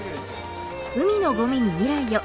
海のごみに未来を！